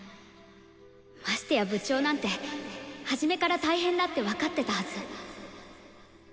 ましてや「部長」なんてはじめから大変だって分かってたはず。